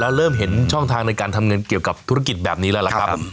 แล้วเริ่มเห็นช่องทางในการทำเงินเกี่ยวกับธุรกิจแบบนี้แล้วล่ะครับ